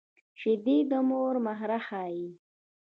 شیدې د مور مهر ښيي